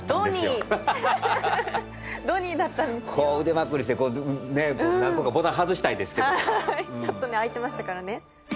ドニードニーだったんですよこう腕まくりして何個かボタン外したいですけどもちょっとね開いてましたからね